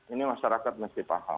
ini masyarakat mesti paham